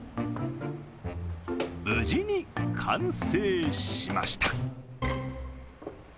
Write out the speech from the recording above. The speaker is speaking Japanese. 無事に完成しました。